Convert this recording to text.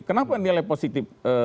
kenapa nilai positif